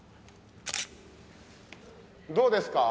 どうですか？